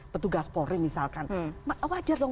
petugas polri misalkan wajar dong